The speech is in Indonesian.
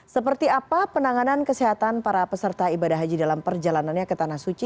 seperti apa penanganan kesehatan para peserta ibadah haji dalam perjalanannya ke tanah suci